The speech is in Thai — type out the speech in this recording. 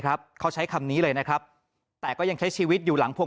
ครับเขาใช้คำนี้เลยนะครับแต่ก็ยังใช้ชีวิตอยู่หลังพวก